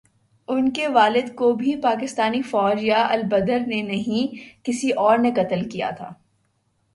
ان کے والد کو بھی پاکستانی فوج یا البدر نے نہیں، کسی اور نے قتل کیا تھا۔